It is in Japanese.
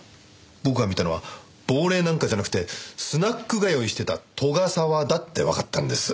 僕が見たのは亡霊なんかじゃなくてスナック通いしてた斗ヶ沢だってわかったんです。